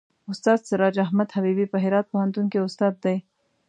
استاد سراج احمد حبیبي په هرات پوهنتون کې استاد دی.